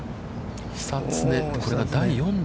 久常、これが第４打。